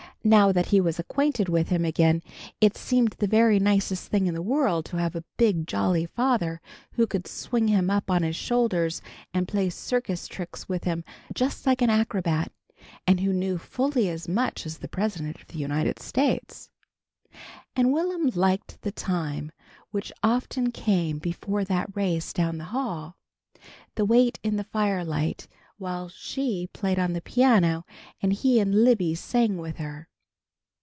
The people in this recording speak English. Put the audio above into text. Now that he was acquainted with him again, it seemed the very nicest thing in the world to have a big jolly father who could swing him up on his shoulder and play circus tricks with him just like an acrobat, and who knew fully as much as the president of the United States. And Will'm liked the time which often came before that race down the hall the wait in the firelight, while She played on the piano and he and Libby sang with her.